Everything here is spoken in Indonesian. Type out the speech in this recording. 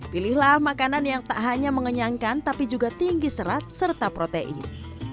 pilihlah makanan yang tak hanya mengenyangkan tapi juga tinggi serat serta protein